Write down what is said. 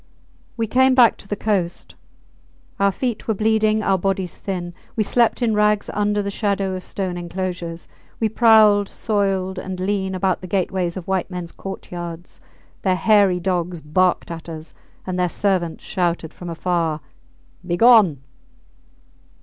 We came back to the coast. Our feet were bleeding, our bodies thin. We slept in rags under the shadow of stone enclosures; we prowled, soiled and lean, about the gateways of white mens courtyards. Their hairy dogs barked at us, and their servants shouted from afar, Begone!